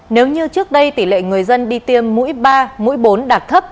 nếu như trước đây tỷ lệ người dân đi tiêm mũi ba mũi bốn đạt thấp